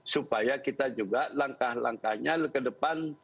supaya kita juga langkah langkahnya ke depan